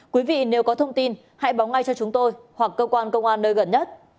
quý vị nếu có thông tin hãy báo ngay cho chúng tôi hoặc cơ quan công an nơi gần nhất